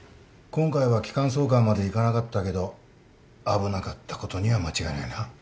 今回は気管挿管までいかなかったけど危なかったことには間違いないな。